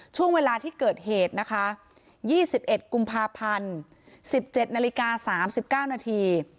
ช่วงเวลาที่เกิดเหตุนะคะ๒๑กุมภาพันธ์๑๗นาฬิกา๓๙นาที